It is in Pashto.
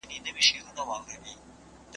زړه ميرمن هم يوازي پاته کول مناسب ندي.